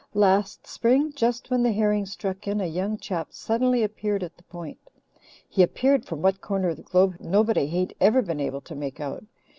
Last spring, just when the herring struck in, a young chap suddenly appeared at the Point. He appeared from what corner of the globe nobody hain't ever been able to make out.